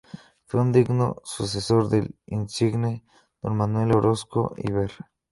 Fue un digno sucesor del insigne don Manuel Orozco y Berra.